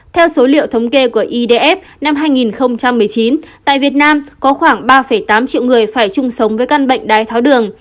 theo số liệu thống kê của idf năm hai nghìn một mươi chín tại việt nam có khoảng ba tám triệu người phải chung sống với căn bệnh đái tháo đường